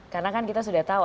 karena kan kita sudah tahu